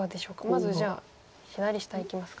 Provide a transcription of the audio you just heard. まずじゃあ左下いきますか？